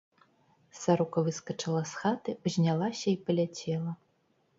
Сарока выскачыла з хаты, узнялася і паляцела.